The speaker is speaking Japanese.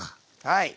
はい！